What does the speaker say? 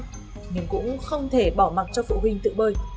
nhưng cũng không thể bỏ mặc cho phụ huynh tự bơi